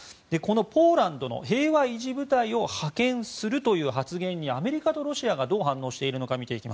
このポーランドの平和維持部隊を派遣するという発言にアメリカとロシアがどう反応しているのか。